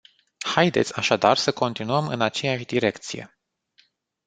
Haideți așadar să continuăm în aceeași direcție.